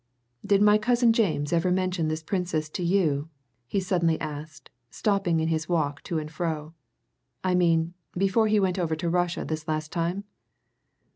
"Did my cousin James ever mention this Princess to you?" he suddenly asked, stopping in his walk to and fro. "I mean before he went over to Russia this last time?"